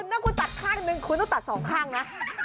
ถ้าคุณตัดข้างนึงคุณต้องตัดสองข้างนะ